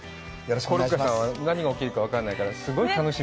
コロッケさんは何が起きるか分からないから、すごい楽しみ。